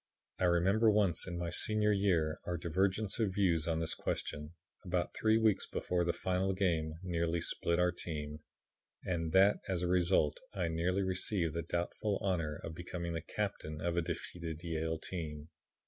"I remember once in my senior year our divergence of views on this question, about three weeks before the final game, nearly split our team, and that as a result I nearly received the doubtful honor of becoming the captain of a defeated Yale team.